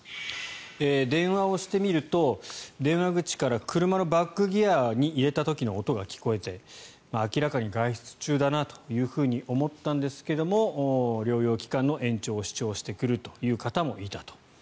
電話をしてみると電話口から車のバックギアに入れた時の音が聞こえて明らかに外出中だなというふうに思ったんですけれども療養期間の延長を主張してくる方もいたと。